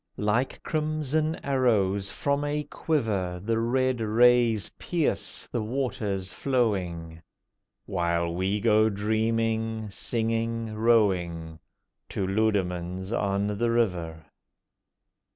Like crimson arrows from a quiver The red rays pierce the waters flowing, While we go dreaming, singing, rowing To Leudemanns on the River.